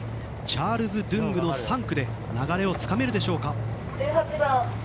チャールズ・ドゥングの３区で流れをつかめるでしょうか。